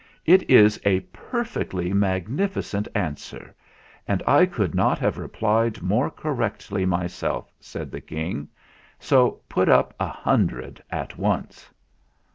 "It is a perfectly magnificent answer, and I could not have replied more correctly myself," said the King. "So put up a hundred at once